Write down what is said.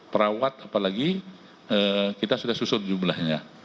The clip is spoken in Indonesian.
perawat apalagi kita sudah susut jumlahnya